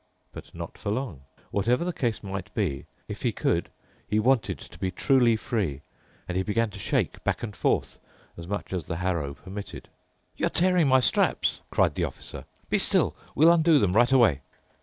But not for long. Whatever the case might be, if he could he wanted to be truly free, and he began to shake back and forth, as much as the harrow permitted. "You're tearing my straps," cried the Officer. "Be still! We'll undo them right away."